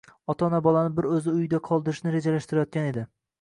ota-ona bolani bir o‘zini uyda qoldirishni rejalashtirayotgan edi.